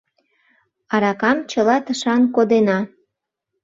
— Аракам чыла тышан кодена.